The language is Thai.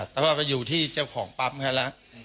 แต่ว่าไปอยู่ที่เจ้าของปั๊มเขาแล้ว